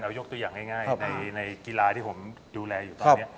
ยกตัวอย่างง่ายในกีฬาที่ผมดูแลอยู่ตอนนี้